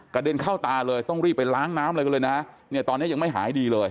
กระเด็นเข้าตาเลยต้องรีบไปล้างน้ำเลยนะตอนนี้ยังไม่หายดีเลย